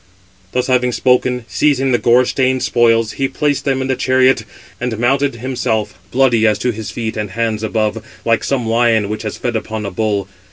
Thus having spoken, seizing the gore stained spoils, he placed them in the chariot, and mounted himself, bloody as to his feet and hands above, like some lion which has fed upon a bull.